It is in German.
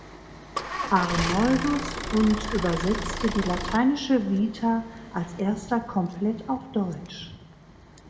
Arnoldus und übersetzte die lateinische Vita als erster komplett auf deutsch.